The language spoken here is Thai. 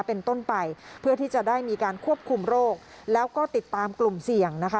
เป็นต้นไปเพื่อที่จะได้มีการควบคุมโรคแล้วก็ติดตามกลุ่มเสี่ยงนะคะ